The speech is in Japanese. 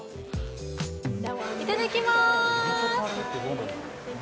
いただきます。